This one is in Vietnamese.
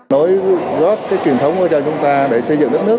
nói góp cái truyền thống của chúng ta để xây dựng đất nước